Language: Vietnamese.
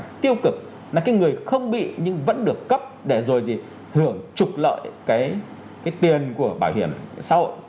tình trạng tiêu cực là cái người không bị nhưng vẫn được cấp để rồi thì thưởng trục lợi cái tiền của bảo hiểm xã hội